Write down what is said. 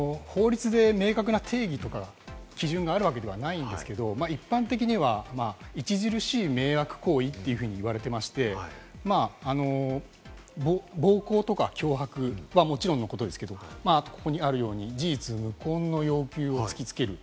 これ、法律で明確な定義とか基準があるわけではないんですけれども、一般的には著しい迷惑行為というふうに言われていまして、暴行とか脅迫はもちろんのことですけれども、ここにあるように、事実無根の要求を突きつける。